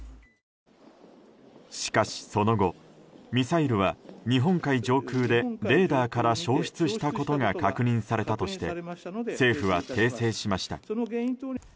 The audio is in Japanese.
しかしその後ミサイルは日本海上空でレーダーから消失したことが確認されたとして政府は訂正しました。